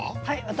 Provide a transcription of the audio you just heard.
はい。